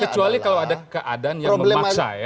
kecuali kalau ada keadaan yang memaksa ya